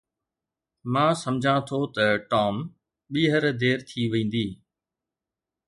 مان سمجهان ٿو ته ٽام ٻيهر دير ٿي ويندي